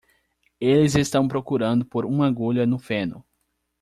Eles estão procurando por uma agulha no feno.